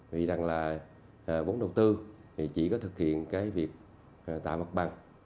vì rằng là vốn đầu tư chỉ có thực hiện việc tại mặt bằng